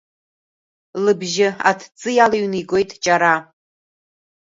Лыбжьы аҭӡы иалыҩны игоит џьара.